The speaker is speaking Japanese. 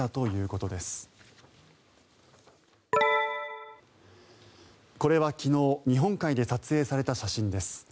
これは昨日、日本海で撮影された写真です。